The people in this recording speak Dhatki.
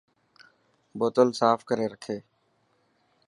بوتل ساف ڪري رکي.